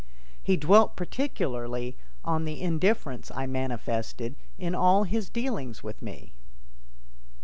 He dwelt particularly on the indifference I manifested in all his dealings with me.